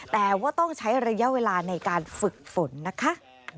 แต่ว่าต้องใช้ระยะเวลาในการฝึกฝนนะคะ